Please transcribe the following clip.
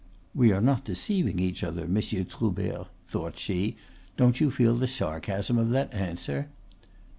("We are not deceiving each other, Monsieur Troubert," thought she. "Don't you feel the sarcasm of that answer?")